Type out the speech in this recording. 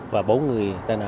và bốn người